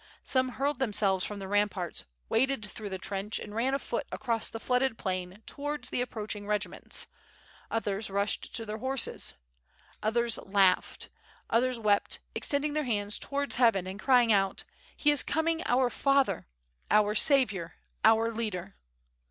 Some hurled them selves from the ramparts, waded through the trench, and ran afoot across the flooded plain towards the approaching rqgi ments, others rushed to their horses, others laughed, others wept, extending their hands towards heaven and crying out: *'He is coming, our father! our saviour! our leader!''